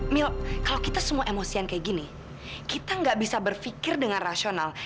mil kalau kita semua emosian kayak gini kita nggak bisa berpikir dengan rasional